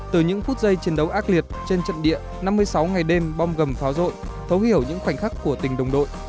từ những phút giây chiến đấu ác liệt trên trận địa năm mươi sáu ngày đêm bom gầm pháo rội thấu hiểu những khoảnh khắc của tình đồng đội